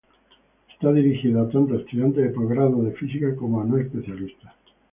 Está dirigida tanto a estudiantes de posgrado de física como a no especialistas.